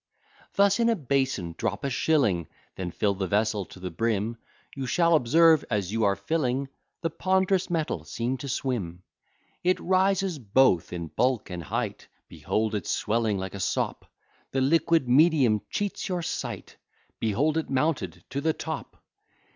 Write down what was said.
Thus in a basin drop a shilling, Then fill the vessel to the brim, You shall observe, as you are filling, The pond'rous metal seems to swim: It rises both in bulk and height, Behold it swelling like a sop; The liquid medium cheats your sight: Behold it mounted to the top!